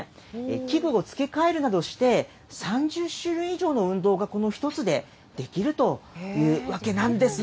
器具を付け替えるなどして３０種類以上の運動が、この１つでできるというわけなんですね。